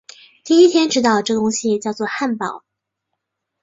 第一天知道这东西叫作汉堡